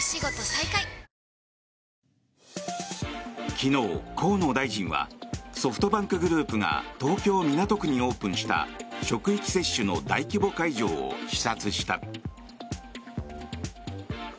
昨日、河野大臣はソフトバンクグループが東京・港区にオープンした職域接種の大規模会場を視察した。